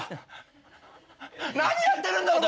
何やってるんだ僕！